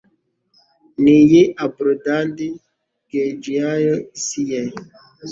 ni iyi Aldobrandi Tegghiajo isi ye